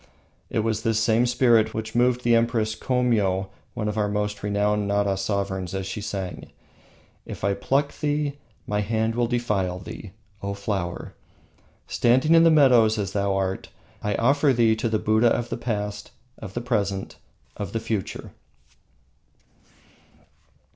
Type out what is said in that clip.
It was the same spirit which moved the Empress Komio, one of our most renowned Nara sovereigns, as she sang: "If I pluck thee, my hand will defile thee, O flower! Standing in the meadows as thou art, I offer thee to the Buddhas of the past, of the present, of the future."